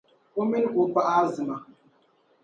O mini O paɣa Azima.